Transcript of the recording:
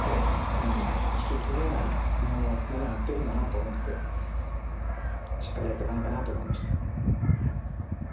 うん引き継げないものをやってるんだなと思ってしっかりやってかなきゃなと思いました。